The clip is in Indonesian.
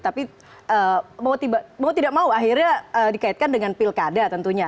tapi mau tidak mau akhirnya dikaitkan dengan pilkada tentunya